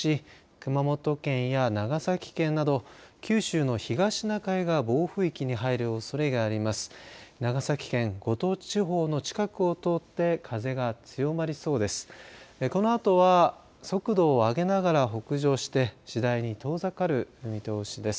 熊本県や長崎県など九州の東シナ海側、暴風域に入るおそれがあります。